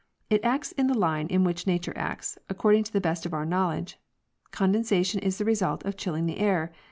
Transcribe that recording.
It acts in the line in which nature acts, according to the best of our knowledge. Condensation is the result of chilling the air.